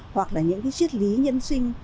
hoặc là những cái chiếc lý nhân sinh